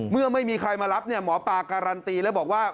เมื่อไม่มีใครมารับเนี่ยหมอปลาการันตีแล้วบอกว่า